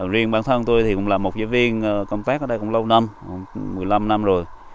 riêng bản thân tôi thì cũng là một giáo viên công tác ở đây cũng lâu năm một mươi năm năm rồi